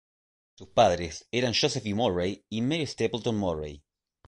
Sus padres eran Joseph E. Murray y Marie Stapleton Murray.